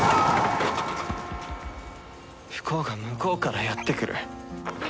不幸が向こうからやって来る。